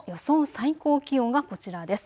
最高気温がこちらです。